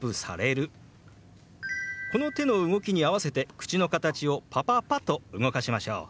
この手の動きに合わせて口の形を「パパパ」と動かしましょう。